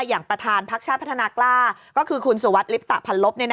อย่างประธานพักชาติพัฒนากล้าก็คือคุณสุวัสดิลิปตะพันลบ